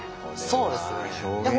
そうですね。